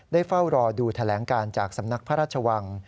เฝ้ารอดูแถลงการจากสำนักพระราชวัง